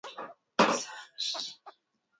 yake Uturuki inachukuliwa kuwa katika Ulaya ya kusini